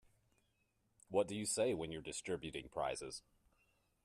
What do you say when you're distributing prizes?